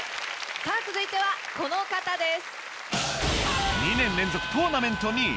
続いてはこの方です。